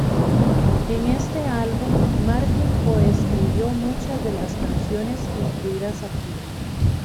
En este álbum, Martin coescribió muchas de las canciones incluidas aquí.